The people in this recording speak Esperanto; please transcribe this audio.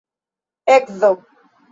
edzo